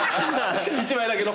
１枚だけの。